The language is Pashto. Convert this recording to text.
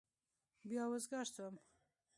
بيا وزگار سوم.